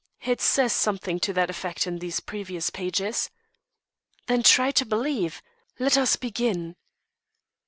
"It says something to that effect in these precious pages." "Then try to believe. Let us begin."